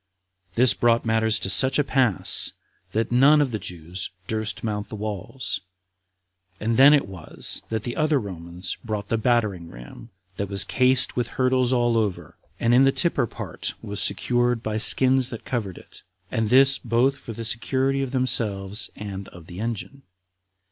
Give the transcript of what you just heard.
This brought matters to such a pass that none of the Jews durst mount the walls, and then it was that the other Romans brought the battering ram that was cased with hurdles all over, and in the tipper part was secured by skins that covered it, and this both for the security of themselves and of the engine.